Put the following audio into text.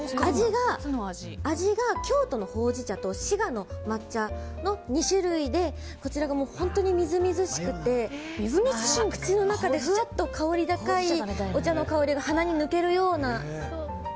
味が、京都のほうじ茶と滋賀の抹茶の２種類でこちらが本当にみずみずしくて口の中でふわっと香り高いお茶の香りが鼻に抜けるような。